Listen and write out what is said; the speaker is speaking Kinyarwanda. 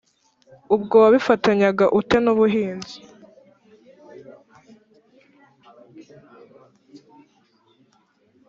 ubwo wabifatanyaga ute n’ubuhanzi?